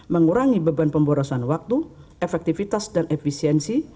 mengurangi beban pemborosan waktu efektivitas dan efisiensi